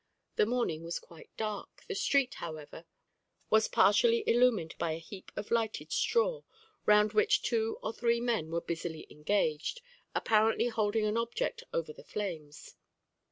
The morning was quite dark; the street, however, was partially illumined by a heap of lighted straw, round which two or three men were busily engaged, apparently holding an object over the flames.